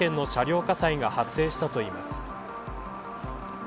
２９７件の車両火災が発生したといいます。